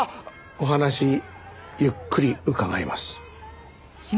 お話ゆっくり伺います。